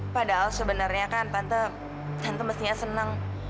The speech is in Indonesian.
padahal sebenarnya kan tante mestinya senang